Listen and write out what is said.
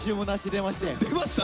出ました？